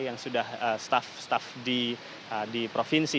yang sudah staf staf di provinsi